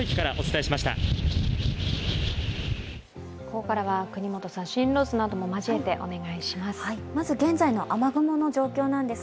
ここからは國本さん、進路図もまじえてお願いします。